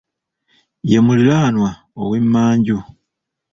Ye muliraanwa ow'emmanju.